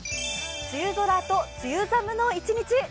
梅雨空と梅雨寒の一日。